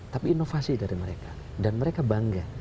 tapi inovasi dari mereka dan mereka bangga